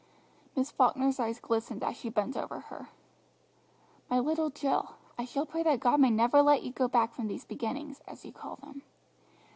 Miss Falkner's eyes glistened as she bent over her. "My little Jill, I shall pray that God may never let you go back from these beginnings, as you call them.